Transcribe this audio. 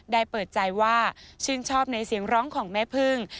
เปิดใจว่าชื่นชอบในเสียงร้องของแม่พึ่ง